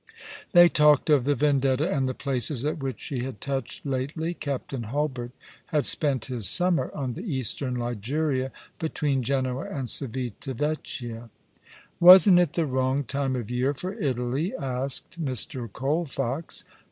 They talked of the Vendetta and the places at which she had touched lately. Captain Hulbert had spent his summer on the Eastern Liguria, between Genoa and Civita Vecchia. *' Wasn't it the wrong time of year for Italy ?" asked Mr. Colfox.